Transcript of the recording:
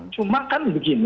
cuma kan begini